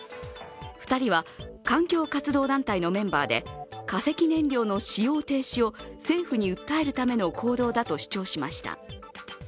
２人は環境活動団体のメンバーで化石燃料の使用停止を政府に訴えるための行動だと主張しました。